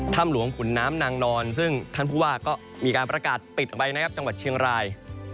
ถ้ำหลวงขุนน้ำนางนอนซึ่งท่านผู้ว่าก็มีการประกาศปิดออกไปนะครับจังหวัดเชียงราย